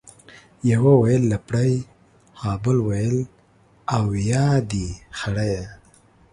يوه ويل لپړى ، ها بل ويل ، اويا دي خړيه.